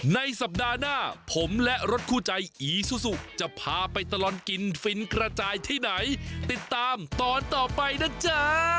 ในสัปดาห์หน้าผมและรถคู่ใจอีซูซูจะพาไปตลอดกินฟินกระจายที่ไหนติดตามตอนต่อไปนะจ๊ะ